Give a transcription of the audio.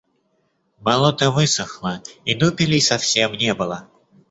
Болото высохло, и дупелей совсем не было.